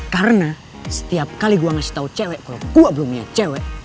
karena setiap kali gua kasih tau cewek kalo gua belum punya cewek